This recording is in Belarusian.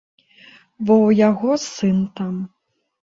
Бо ў яго сын там.